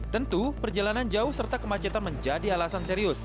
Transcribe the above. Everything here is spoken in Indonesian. tentu perjalanan jauh serta kemacetan menjadi alasan serius